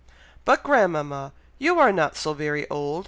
'" "But, grandmama! you are not so very old!"